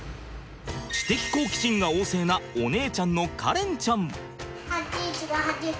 知的好奇心が旺盛なお姉ちゃんの香蓮ちゃん。